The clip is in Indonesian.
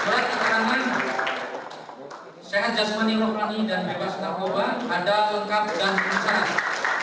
surat keterangan sehat jasmani rohani dan bebas takoba ada lengkap dan penuhi sarang